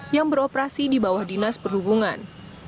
yang beroperasi di bawah dinas perhubungan